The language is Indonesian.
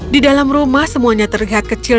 di dalam rumah semuanya terlihat kecil